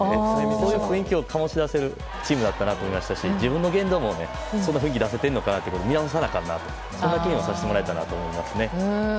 そんな雰囲気を醸し出してるチームだったなと思いましたし自分の言動もそういう雰囲気出せてるのか見直さないといけないそんな気にはさせてもらえたなと思いますね。